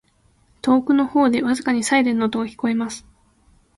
•遠くの方で、微かにサイレンの音が聞こえます。